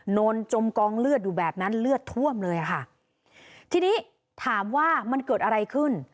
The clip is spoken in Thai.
นอนจมกองเลือดอยู่แบบนั้นเลือดท่วมเลยค่ะทีนี้ถามว่ามันเกิดอะไรขึ้น